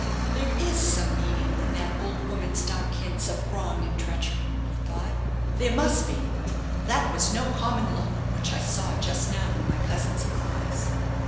"There is some meaning in that old woman's dark hints of wrong and treachery," he thought; "there must be. That was no common look which I saw just now in my cousin's eyes."